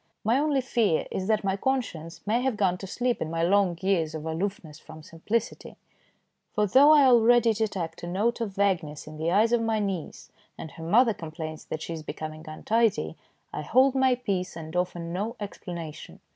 My only fear is that my conscience may have gone to sleep in my long years of aloofness from simplicity ; for though I already detect a note of vagueness in the eyes of my niece, and her mother complains that she is becoming untidy, I hold my peace, and offer no explanation.